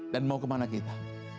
dan mau kemana kita